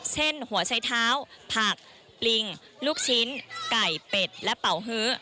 เช่นหัวใช้เท้าผักปลิงลูกชิ้นไก่เป็ดและเป่าฮื้อ